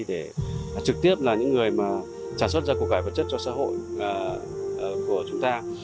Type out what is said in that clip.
để trực tiếp là những người mà trả xuất ra cuộc cải vật chất cho xã hội của chúng ta